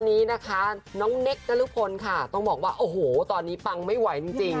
นี้นะคะน้องเนคนรุพลค่ะต้องบอกว่าโอ้โหตอนนี้ปังไม่ไหวจริงจริง